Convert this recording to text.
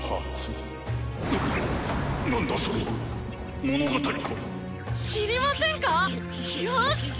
なっ何だそれは⁉物語か⁉知りませんか⁉よし！